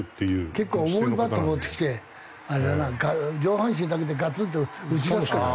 結構重いバット持ってきてあれだな上半身だけでガツンと打ち出すかな。